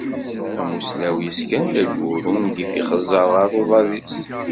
Amusnaw yeskan-d ayyur, ungif ixeẓẓer ɣer uḍad-is.